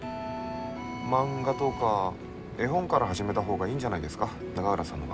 漫画とか絵本から始めた方がいいんじゃないですか？